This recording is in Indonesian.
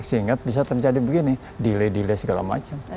sehingga bisa terjadi begini delay delay segala macam